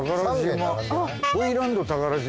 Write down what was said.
トイランド宝島